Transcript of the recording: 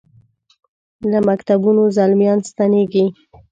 له مکتبونو زلمیا ن ستنیږي